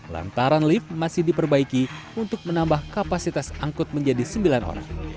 lantaran lift masih diperbaiki untuk menambah kapasitas angkut menjadi sembilan orang